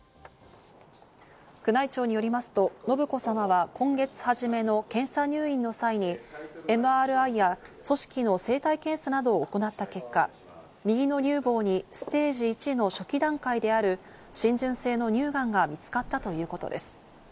宮内庁によりますと、信子さまは今月初めの検査入院の際に、ＭＲＩや組織の生体検査などを行った結果、右の乳房にステージ１の初期段階である浸潤性の乳がんが見つかったということです。